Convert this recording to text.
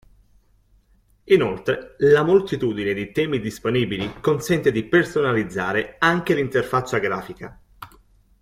Inoltre, la moltitudine di temi disponibili consente di personalizzare anche l'interfaccia grafica.